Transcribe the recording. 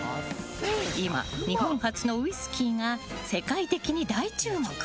今、日本発のウイスキーが世界的に大注目。